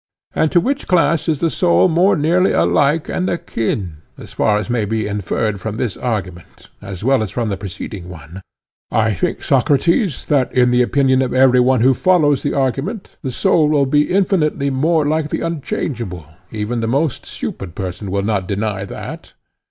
And to which class is the soul more nearly alike and akin, as far as may be inferred from this argument, as well as from the preceding one? I think, Socrates, that, in the opinion of every one who follows the argument, the soul will be infinitely more like the unchangeable—even the most stupid person will not deny that.